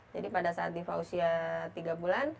jadi pada saat diva usia tiga bulan